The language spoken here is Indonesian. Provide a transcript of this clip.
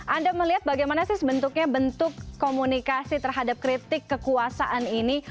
anda melihat bagaimana sih bentuknya bentuk komunikasi terhadap kritik kekuasaan ini